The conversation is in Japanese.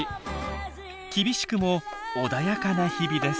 厳しくも穏やかな日々です。